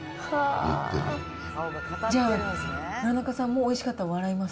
じゃあ、村中さんもおいしかったら笑います？